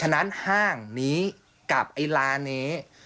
ฉะนั้นห้างนี้กับไอ้ร้านนี้